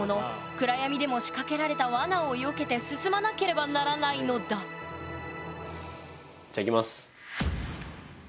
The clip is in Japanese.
暗闇でも仕掛けられたわなをよけて進まなければならないのだじゃあいきます！